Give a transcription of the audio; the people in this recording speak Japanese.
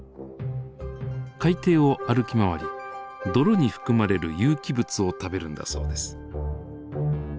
海底を歩き回り泥に含まれる有機物を食べるんだそうです。